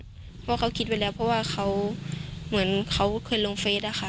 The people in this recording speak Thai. เพราะเขาคิดไว้แล้วเพราะว่าเขาเหมือนเขาเคยลงเฟสอะค่ะ